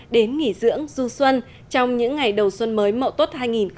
đến nghỉ dưỡng du xuân trong những ngày đầu xuân mới mậu tốt hai nghìn một mươi tám